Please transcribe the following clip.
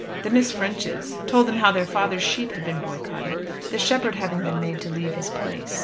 The Miss Ffrenchs told them how their father's sheep had been boycotted, the shepherd having been made to leave his place.